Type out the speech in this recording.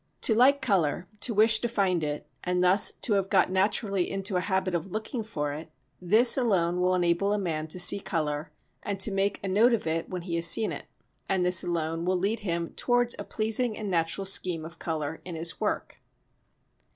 To like colour, to wish to find it, and thus to have got naturally into a habit of looking for it, this alone will enable a man to see colour and to make a note of it when he has seen it, and this alone will lead him towards a pleasing and natural scheme of colour in his work.